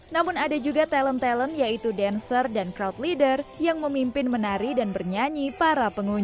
namun ada juga talent talent yaitu dancer dan crowd leader yang memimpin menari dan bernyanyi para pengunjung